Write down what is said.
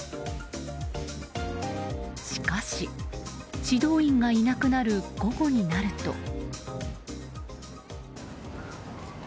しかし、指導員がいなくなる午後になると。